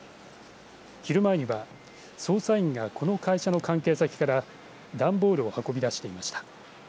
昼前には捜査員がこの会社の関係先から段ボールを運び出していました。